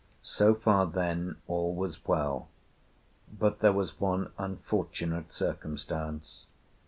So far, then, all was well; but there was one unfortunate circumstance.